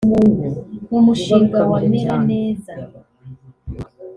“ Mu mushinga wa Meraneza